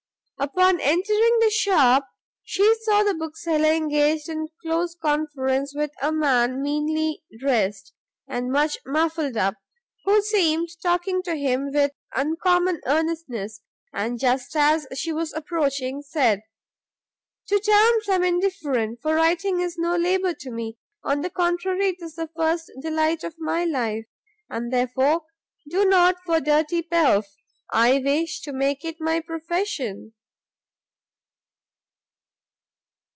Upon entering the shop, she saw the Bookseller engaged in close conference with a man meanly dressed, and much muffled up, who seemed talking to him with uncommon earnestness, and just as she was approaching, said, "To terms I am indifferent, for writing is no labour to me; on the contrary, it is the first delight of my life, and therefore, and not for dirty pelf, I wish to make it my profession."